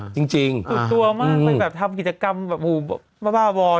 จริงจริงสุดตัวมากมันแบบทำกิจกรรมแบบบ้าบ้าบอย